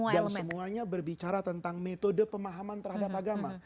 dan semuanya berbicara tentang metode pemahaman terhadap agama